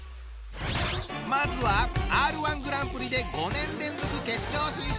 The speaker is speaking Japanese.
まずはＲ−１グランプリで５年連続決勝進出！